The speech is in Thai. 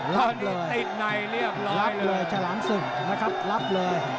ตอนนี้ติดในเรียบร้อยเลยฉลามศึกนะครับรับเลย